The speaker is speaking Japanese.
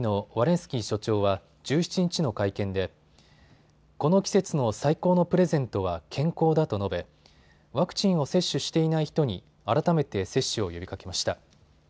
スキー所長は１７日の会見でこの季節の最高のプレゼントは健康だと述べワクチンを接種していない人に改めて接種を呼びかけました。